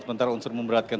sementara unsur memberatkan